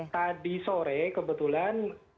tadi sore kebetulan